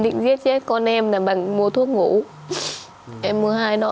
định giết chết con em là bằng mua thuốc ngủ em mua hai nội